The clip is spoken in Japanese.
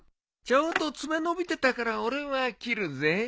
ちょうど爪伸びてたから俺は切るぜ。